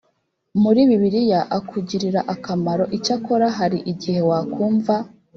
muri bibiliya akugirira akamaro icyakora hari igihe wakumva